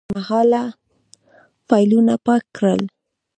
کمپیوټر مې لنډمهاله فایلونه پاک کړل.